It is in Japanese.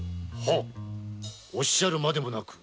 はッおっしゃるまでもなく。